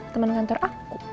temen kantor aku